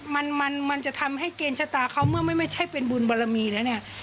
มันมันจะทำให้เกณฑ์ชะตาเขาเมื่อไม่ใช่เป็นบุญบรมีแล้วเนี่ย